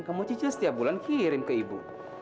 kamu cicil setiap bulan kirim ke ibu